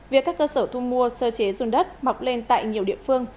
việc các cơ sở thu mua sơ chế dùng đất mọc lên tại nhiều địa phương